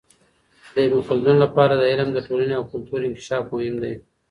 د ابن خلدون لپاره د علم د ټولني او کلتور انکشاف مهم دی.